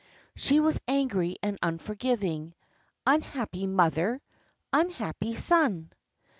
She was angry and unforgiving. Unhappy mother! Unhappy son!